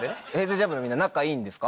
ＪＵＭＰのみんな仲いいんですか？